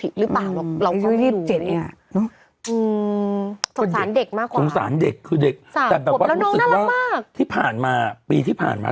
โดยที่ผ่านมาปีที่ผ่านมา